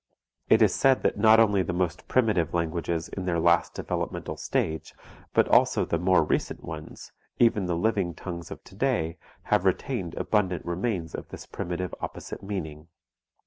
It is said that not only the most primitive languages in their last developmental stage, but also the more recent ones, even the living tongues of to day have retained abundant remains of this primitive opposite meaning.